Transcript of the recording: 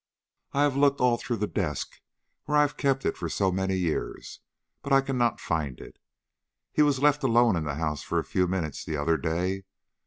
I have looked all through the desk where I have kept it for so many years, but I cannot find it. He was left alone in the house a few minutes the other day.